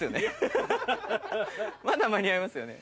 まだ間に合いますよね？